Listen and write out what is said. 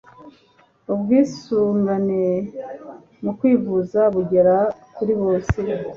Ubwisungane mukwivuza bugera kuribose